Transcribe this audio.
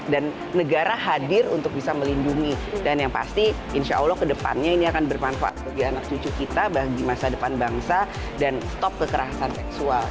dan negara hadir untuk bisa melindungi dan yang pasti insya allah kedepannya ini akan bermanfaat bagi anak cucu kita bagi masa depan bangsa dan stop kekerasan seksual